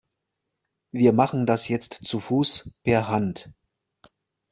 Wir machen das jetzt zu Fuß per Hand.